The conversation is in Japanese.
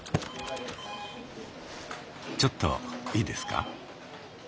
ちょっといいですか？